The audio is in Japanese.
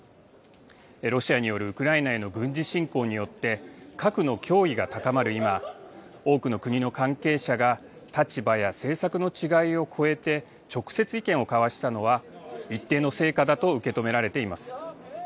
ロシアによるウクライナへの軍事侵攻によって、核の脅威が高まる今、多くの国の関係者が立場や政策の違いを超えて、直接、意見を交わしたのは、一定の成果だと受け止められています。